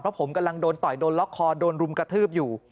เพราะผมกำลังโดนต่อยโดนล็อกคอโดนรุมกระทืบอยู่